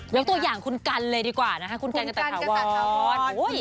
ยังตัวอย่างคุณกันเลยดีกว่านะฮะคุณกันกระต่าถาวร